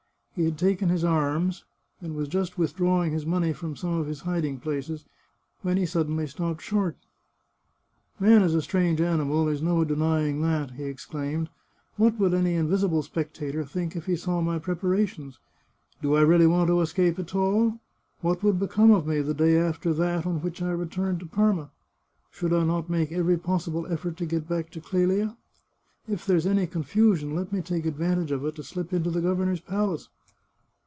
He had taken his arms, and was just withdrawing his money from some of his hiding places, when he suddenly stopped short. " Man is a strange animal ; there's no denying that," he exclaimed. " What would any invisible spectator think if he saw my preparations ? Do I really want to escape at all ? What would become of me the day after that on which I returned to Parma? Should I not make every possible effort to get back to Clelia? If there is any confusion, let me take advantage of it to slip into the governor's palace.